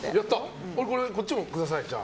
こっちもください、じゃあ。